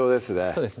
そうです